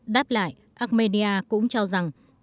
đáp lại armenia cũng cho rằng